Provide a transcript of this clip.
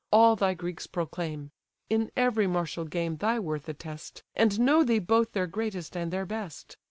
all thy Greeks proclaim; In every martial game thy worth attest, And know thee both their greatest and their best.